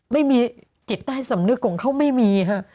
ไม่มีจิตใต้สำนึกของเขาไม่มีค่ะ